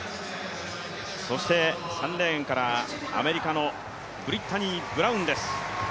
そして３レーンからアメリカのブリッタニー・ブラウンです。